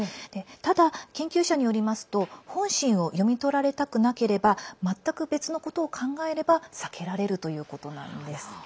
ただ、研究者によりますと本心を読み取られたくなければ全く別のことを考えれば避けられるということなんです。